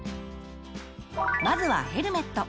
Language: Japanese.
まずはヘルメット。